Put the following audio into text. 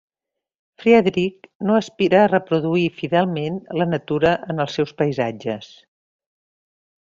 Friedrich no aspira a reproduir fidelment la natura en els seus paisatges.